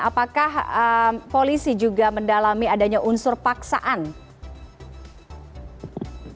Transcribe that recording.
apakah polisi juga mendalami adanya unsur paksaan